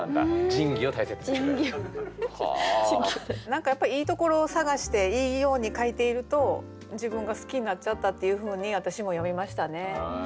何かやっぱりいいところを探していいように書いていると自分が好きになっちゃったっていうふうに私も読みましたね。